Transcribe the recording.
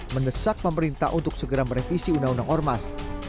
mendesak pemerintah untuk segera merevisi undang undang ormas